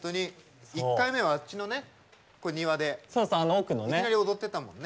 １回目はあっちの庭でいきなり踊ってたもんね。